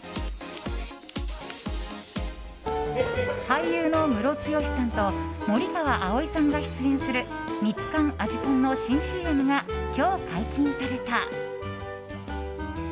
俳優のムロツヨシさんと森川葵さんが出演するミツカン味ぽんの新ＣＭが今日解禁された。